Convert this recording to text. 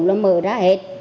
rồi mở ra hết